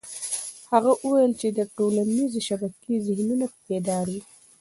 هغه وویل چې ټولنيزې شبکې ذهنونه بیداروي.